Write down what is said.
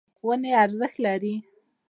ونې ارزښت لري.